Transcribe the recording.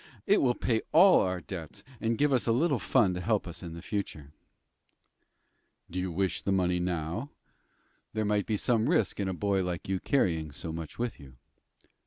"It will pay all our debts, and give us a little fund to help us in future." "Do you wish the money now? There might be some risk in a boy like you carrying so much with you."